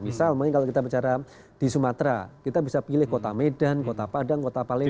misal mungkin kalau kita bicara di sumatera kita bisa pilih kota medan kota padang kota palembang